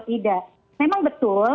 tidak memang betul